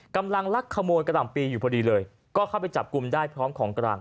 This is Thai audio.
ลักขโมยกะหล่ำปีอยู่พอดีเลยก็เข้าไปจับกลุ่มได้พร้อมของกลาง